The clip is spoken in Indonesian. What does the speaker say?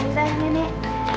nanti lagi nek